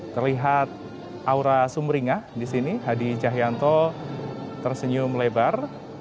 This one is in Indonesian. terlihat aura sumringah disini hadi cahyanto tersenyum lebar